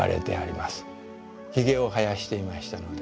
ひげを生やしていましたので。